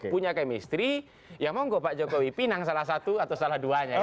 punya kemistri ya monggo pak jokowi pinang salah satu atau salah duanya